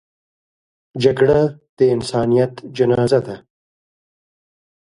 جګړه د انسانیت جنازه ده